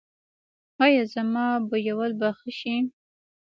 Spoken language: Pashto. ایا زما بویول به ښه شي؟